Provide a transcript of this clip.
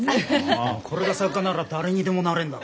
ああこれが作家なら誰にでもなれんだろ。